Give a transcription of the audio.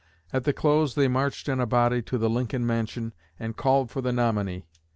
At the close they marched in a body to the Lincoln mansion and called for the nominee.